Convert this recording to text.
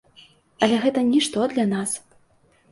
Але гэта нішто для нас.